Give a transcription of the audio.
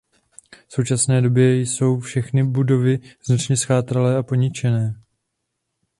V současné době jsou všechny budovy značně zchátralé a poničené.